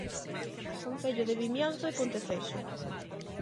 Concello de Vimianzo e Ponteceso.